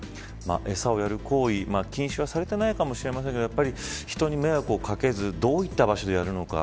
餌をやる行為、禁止はされていないかもしれませんが人に迷惑をかけずどういった場所でやるのか。